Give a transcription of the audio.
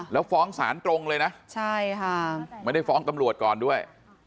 แล้วฟ้องศาลตรงเลยนะใช่ค่ะไม่ได้ฟ้องตำรวจก่อนด้วย